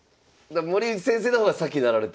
森内先生の方が先になられてる。